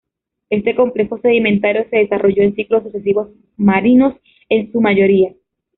Este complejo sedimentario se desarrolló en ciclos sucesivos, marinos en su mayoría.